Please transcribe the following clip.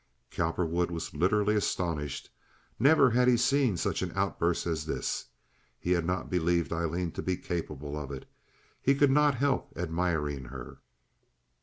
Cowperwood was literally astonished. Never had he seen such an outburst as this. He had not believed Aileen to be capable of it. He could not help admiring her.